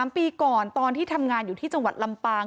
๓ปีก่อนตอนที่ทำงานอยู่ที่จังหวัดลำปาง